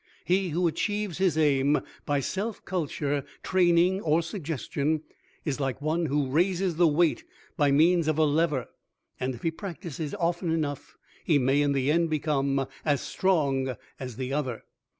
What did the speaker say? He who achieves his aim by self culture, training, or suggestion, is like one who raises the weight by means of a lever, and if he practice it often enough he may in the end become as strong as the other.